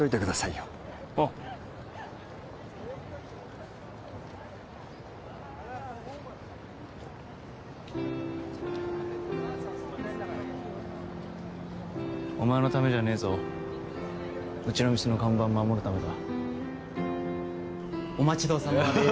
よおうお前のためじゃねえぞうちの店の看板守るためだお待ちどおさまです